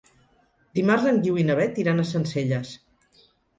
Dimarts en Guiu i na Beth iran a Sencelles.